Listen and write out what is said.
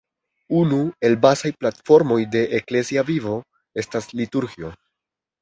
Unu el bazaj platformoj de la eklezia vivo estas liturgio.